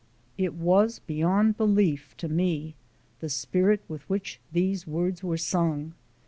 It was beyond belief, to me, the spirit with which these words were sung.